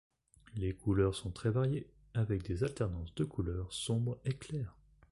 Les couleurs sont très variées, avec des alternances de couleurs sombres et claires.